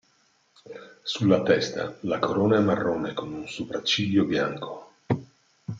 Sulla testa, la corona è marrone con un sopracciglio bianco.